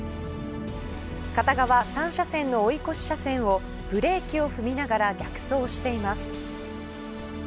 片側３車線の追い越し車線をブレーキを踏みながら逆走しています。